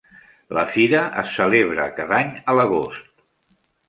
La fira es celebra cada any a l'agost.